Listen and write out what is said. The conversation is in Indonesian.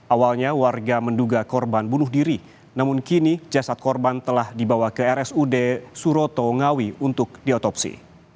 awalnya warga menduga korban bunuh diri namun kini jasad korban telah dibawa ke rsud suroto ngawi untuk diotopsi